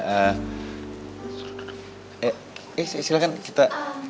eh silahkan kita